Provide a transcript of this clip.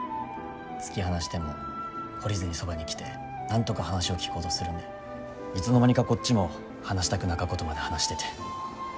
突き放しても懲りずにそばに来てなんとか話を聞こうとするんでいつの間にかこっちも話したくなかことまで話してて。